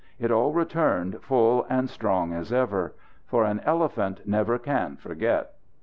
It all returned, full and strong as ever. For an elephant never can forget.